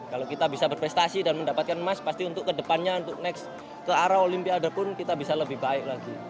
kalau kita bisa berprestasi dan mendapatkan emas pasti untuk kedepannya untuk next ke arah olimpiade pun kita bisa lebih baik lagi